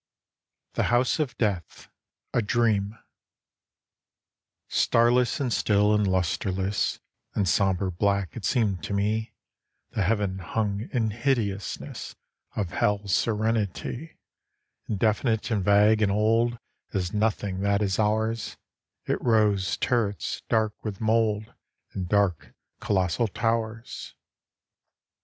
THE HOUSE OF DEATH (A Dream) I Starless and still and lustreless And sombre black, it seemed to me, The heaven hung in hideousness Of Hell's serenity: Indefinite and vague and old As nothing that is ours, It rose turrets, dark with mould, And dark, colossal towers.